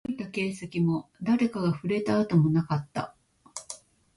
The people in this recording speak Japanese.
動いた形跡も、誰かが触れた跡もなかった